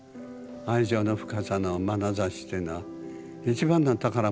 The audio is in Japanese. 愛情の深さのまなざしというのは一番の宝物なの。